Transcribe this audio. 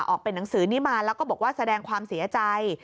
เป็นหนังสือนี้มาแล้วก็บอกว่าแสดงความเสียใจ